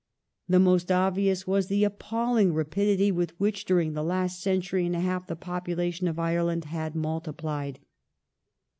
The most The Irish obvious was the appalling rapidity with which during the last century famine and a half the people of Ireland had multiplied.